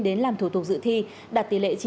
đến làm thủ tục dự thi đạt tỷ lệ chín mươi sáu ba